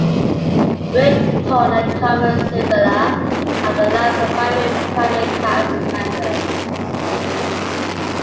Rip Torn and Carmen Sevilla are the last surviving primary cast members.